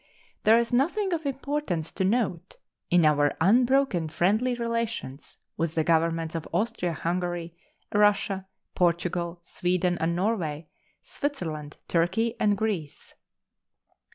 There is nothing of importance to note in our unbroken friendly relations with the Governments of Austria Hungary, Russia, Portugal, Sweden and Norway, Switzerland, Turkey, and Greece.